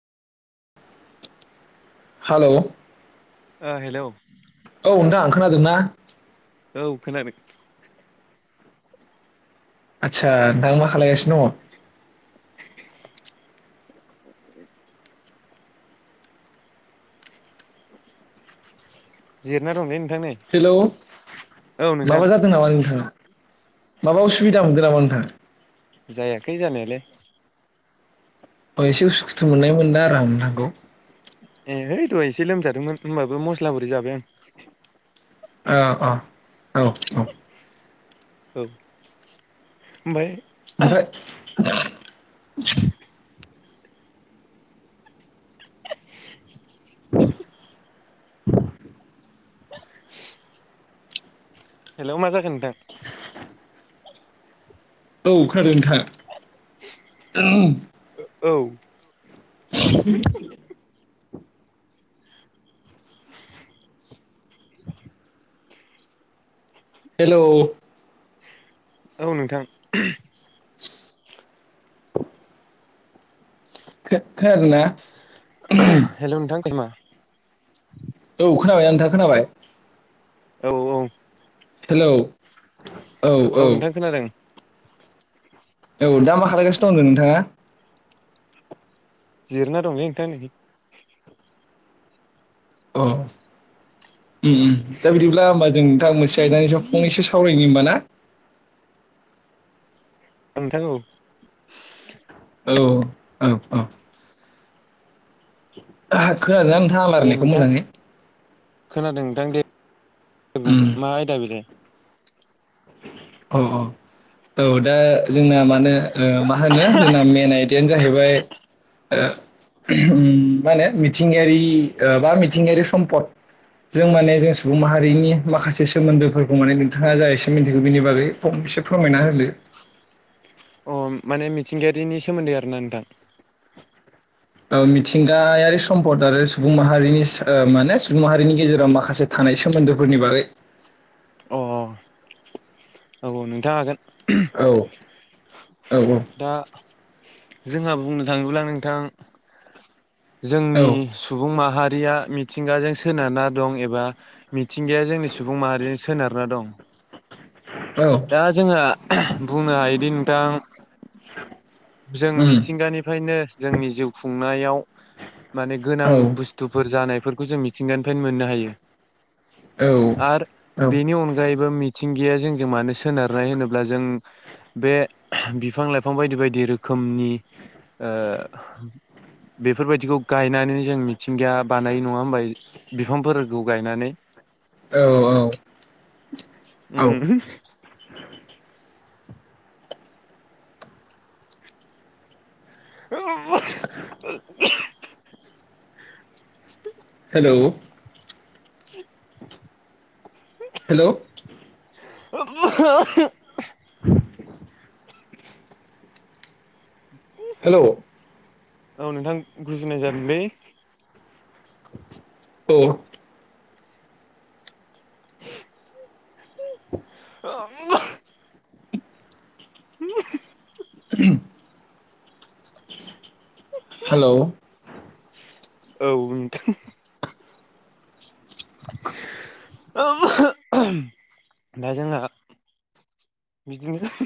हेल' hello औ नोंथां आं खोनादोंना औ खोनादों आदसा नोंथां मा खालायगासिनो दङ जिरायना दंलै नोंथां नै हेलौ औ नोंथां माबा जादों नामा नोंथाङा माबा उसुबिदा मोनदों नामा नोंथां जायाखै जानायालाय अ एसे उसुखुथु मोननाय मोनदोंन आरो आं नोंथांखौ ए है दहाय एसे लोमजादोंमोन होमबाबो मस्ला ब'रि जाबाय आं औ औ औ औ औ ओमफ्राय ओमफ्राय [unintelligible] हेलौ मा जाखो नोंथां? औ खोनादों नोंथां। औ [unintelligible] हेलौ औ नोंथां। [inaudible] खो खोनादों ना? हेल' नोंथां औ खोनाबायना नोंथाङा खोनाबाय? औ औ हेलौ औ नोंथां खोनादों। औ दा मा खालायगासिनो दं होनदों नोंथाङा? जिरना दंलै नोंथां नै। औ उम उम दा बिदिब्ला होमबा जों नोंथां मोनसे आयदानि सायाव फंनैसो सावरायनि होनबा ना? [inaudible] नोंथां औ औ औ औ खोनादोंना नोंथाङा दे रायलायनायखौ नोंथां मोजाङै? खोनादों नोंथां दे बुं। मा आयदा बेलाय? अ अ औ दा जोंना मानो मा होनो जोंना मेन आयदायानो जाहैबाय उम माने मिथिंगायारि बा मिथिंगायारि सम्पद जों माने जों सुबुं माहारिनि माखासे सोमोन्दोफोरखौ माने नोंथाङा जा एसे मिथिगौ बिनि बागै फंसे फोरमायना होदो। अ माने मिथिंगायारिनि सोमोन्दै आरोना नोंथां। ओ मिथिंगायारि सम्पद आरो सुबुं माहारिनि माने सुबुं माहारिनि गेजेराव माखासे था नाय सोमोन्दोफोरनि बागै अ अ औ औ नोंथां हागोन। औ औ औ दा जोंहा बुंनो थाङोब्ला नोंथां औ जोंनि सुबुं माहारि रिया मिथिंगाजों सोनारना दं एबा मिथिंगाया जोंनि सुबुं माहारिजों सो सोनारना दं, औ दा जोङो बुंनो हायोदि नोंथां जों उम मिथिंगानिफ्रायनो जोंनि जिउ खुंनायाव माने गोनां औ बुस्थुफोर जानायफोरखौ जों मिथिंगानिफ्रायनो मोननो हायो। आर औ बेनि अनगायैबो मि मिथिंगिया जोंजों मानो सोनारनाय होनोब्ला जों बे बिफां-लाइफां बायदि बायदि रोखो रोखोमनि ओ बेफोरबायदिखौ गायनानै जों मिथिंगाया बानाय नङा होमबा? बिफांफोरखौ गायनानै औ औ औ - [unintelligible] [unintelligible] हेलौ [unintelligible] हेल' [unintelligible] [inaudible] हेल' औ नोंथां गुजिनाय जादोंलै। औ [unintelligible] [unintelligible] हेल' औ नोंथां। [unintelligible] दा जोंहा बिदिनो